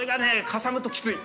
かさむときつい。